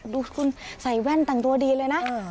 ดูคุณใส่แว่นแต่งตัวดีเลยนะ